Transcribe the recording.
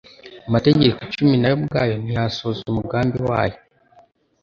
Amategeko icumi na yo ubwayo ntiyasohoza mnugambi wayo